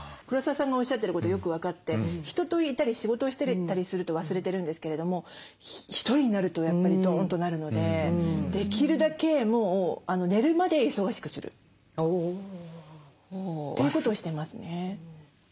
黒沢さんがおっしゃってることよく分かって人といたり仕事をしてたりすると忘れてるんですけれどもひとりになるとやっぱりドーンとなるのでできるだけもう寝るまで忙しくするということをしてますね。